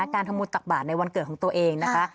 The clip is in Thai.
การทำบุญตักบาทในวันเกิดของตัวเองนะคะ